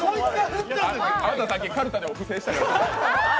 あなた、さっきかるたでも不正したから。